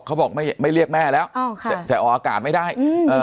เขาบอกไม่ไม่เรียกแม่แล้วแต่ออกอากาศไม่ได้